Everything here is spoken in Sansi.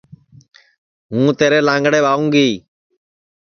ہوں تیرے لانٚگڑے ٻاوں گی